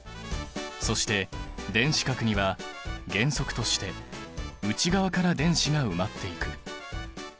そして電子殻には原則として内側から電子が埋まっていく。